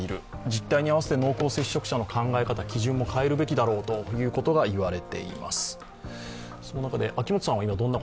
実態に合わせて濃厚接触者の考え方、基準も変えるべきだろうということがいわれています。